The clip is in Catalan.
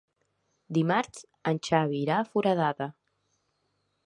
Dimarts en Xavi irà a Foradada.